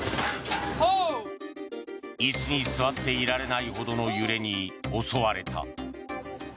椅子に座っていられないほどの揺れに襲われた。